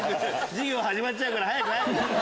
授業始まっちゃうから早く。